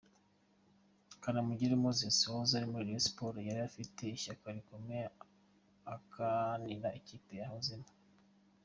Kanamugire Moses wahoze muri Rayon Sports yari afite ishyaka rikomeye akanira ikipe yahozemo.